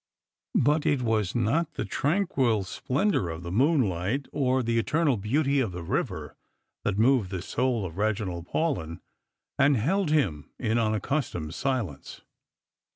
But it was not the tranquil splendour of the moonlight, or the eternal beauty of the river, that moved the soul of Reginald Paulyn, and held him in unaccustomed silence.